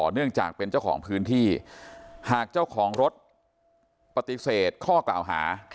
เนื่องจากเป็นเจ้าของพื้นที่หากเจ้าของรถปฏิเสธข้อกล่าวหา